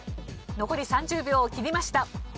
残り３０秒を切りました。